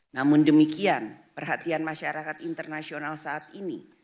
namun demikian perhatian masyarakat internasional saat ini